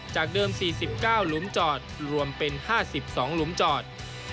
จากเดิม๔๙หลุมจอดรวมเป็น๕๒หลุมจอด